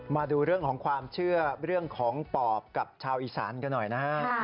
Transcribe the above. มาดูเรื่องของความเชื่อเรื่องของปอบกับชาวอีสานกันหน่อยนะฮะ